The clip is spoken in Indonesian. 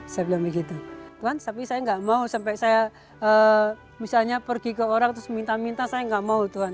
saya bilang begitu tuhan tapi saya nggak mau sampai saya misalnya pergi ke orang terus minta minta saya nggak mau tuhan